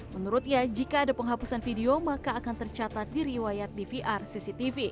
menurutnya jika ada penghapusan video maka akan tercatat di riwayat dvr cctv